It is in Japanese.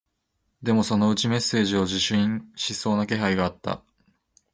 でも、そのうちメッセージを受信しそうな気配があった